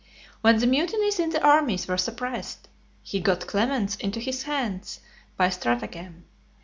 When the mutinies in the armies were suppressed, he got Clemens into his hands by stratagem.